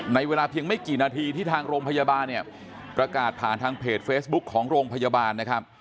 ในเวลาเพียงไม่กี่นาทีที่ทางโรงพยาบาลเนี่ยประกาศผ่านทางเพจเฟซบุ๊คของโรงพยาบาลนะครับ